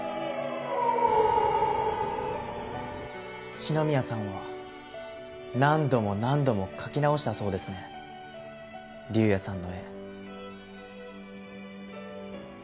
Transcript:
四ノ宮さんは何度も何度も描き直したそうですね竜也さんの絵。